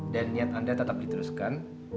dan niat anda tetap diteruskan